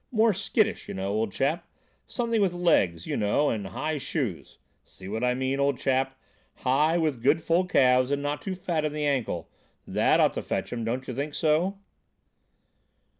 More skittish, you know, old chap; something with legs, you know, and high shoes. See what I mean, old chap? High with good full calves and not too fat in the ankle. That ought to fetch 'em; don't you think so?"